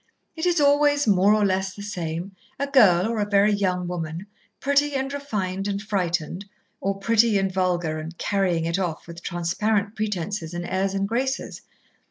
It is always more or less the same, a girl or a very young woman, pretty and refined and frightened, or pretty and vulgar and 'carrying it off' with transparent pretences and airs and graces.